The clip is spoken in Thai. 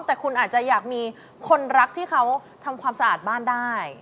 แต่คุณอาจจะอยากมีคนรักที่เขาทำความสะอาดบ้านได้